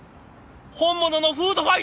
本物のフードファイターだ！